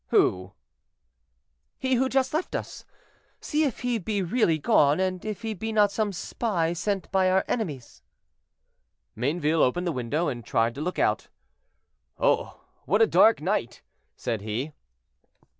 "Who?" "He who just left us; see if he be really gone, and if he be not some spy sent by our enemies." Mayneville opened the window, and tried to look out. "Oh! what a dark night," said he.